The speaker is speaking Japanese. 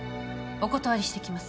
お断りしてきます